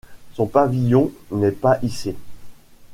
Son pavillon n’est pas hissé.